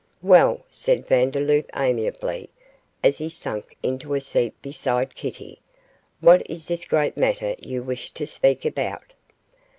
'Well,' said Vandeloup, amiably, as he sank into a seat beside Kitty, 'what is this great matter you wish to speak about?